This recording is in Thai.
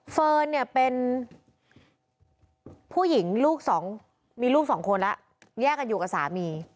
เฟิร์นเนี่ยเป็นผู้หญิงลูกสองมีลูกสองคนแล้วแยกกันอยู่กับสามี